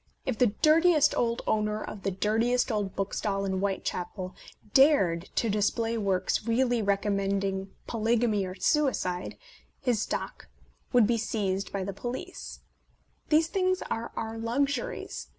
If the dirtiest old owner of the dirtiest old book stall in Whitechapel A Defence of Penny Dreadfuls dared to display works really recommend ing polygamy or suicide, his stock would be seized by the police. These things are our luxuries.